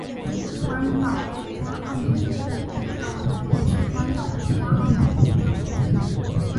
关岛国家奥林匹克委员会是关岛的国家奥林匹克委员会。